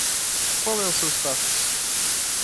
Qual é o seu status?